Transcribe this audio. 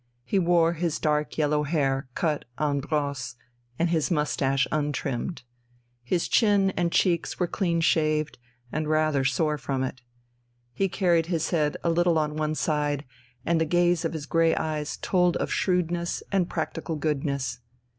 He wore his dark yellow hair cut en brosse and his moustache untrimmed. His chin and cheeks were clean shaved, and rather sore from it. He carried his head a little on one side, and the gaze of his grey eyes told of shrewdness and practical goodness.